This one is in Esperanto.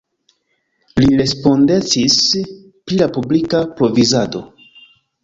Li respondecis pri la publika provizado.